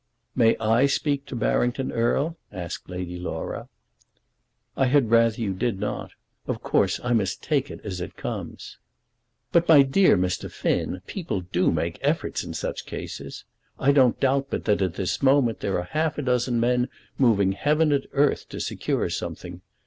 "May I speak to Barrington Erle?" asked Lady Laura. "I had rather you did not. Of course I must take it as it comes." "But, my dear Mr. Finn, people do make efforts in such cases. I don't doubt but that at this moment there are a dozen men moving heaven and earth to secure something.